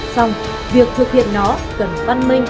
xong việc thực hiện nó cần văn minh